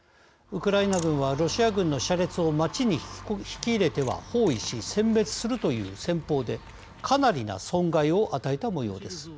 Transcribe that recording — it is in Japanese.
ウクライナ軍はロシア軍の車列を街に引き入れては包囲しせん滅するという戦法でかなりな損害を与えたもようです。